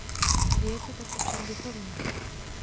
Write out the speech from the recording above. Děje se tak ovšem duchovně.